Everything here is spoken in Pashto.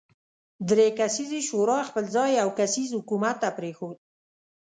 درې کسیزې شورا خپل ځای یو کسیز حکومت ته پرېښود.